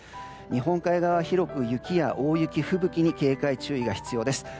日本海側は広く雪や大雪、吹雪に警戒・注意が必要です。